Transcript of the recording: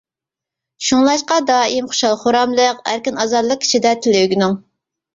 شۇڭلاشقا دائىم خۇشال-خۇراملىق، ئەركىن-ئازادىلىك ئىچىدە تىل ئۆگىنىڭ.